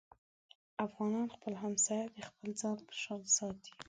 افغان خپل همسایه د خپل ځان په شان ساتي.